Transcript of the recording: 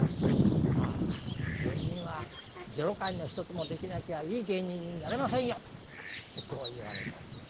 あ芸人は女郎買いの一つもできなきゃいい芸人になれませんよ」ってこう言われたって。